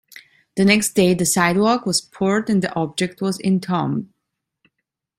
The next day the sidewalk was poured and the object was entombed.